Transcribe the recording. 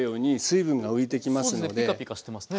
ピカピカしてますね。